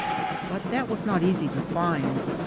But that was not easy to find.